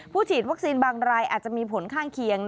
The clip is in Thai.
ฉีดวัคซีนบางรายอาจจะมีผลข้างเคียง